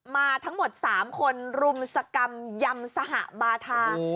มาทั้งหมด๓คนรุมสกรรมยำสหบาทา